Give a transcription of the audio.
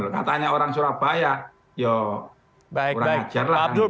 katanya orang surabaya ya kurang hijarlah